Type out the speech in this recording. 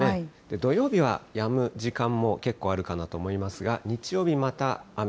土曜日はやむ時間も結構あるかなと思いますが、日曜日また雨。